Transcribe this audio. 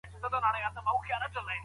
سفیرانو به نړیوال اصول منلي وي.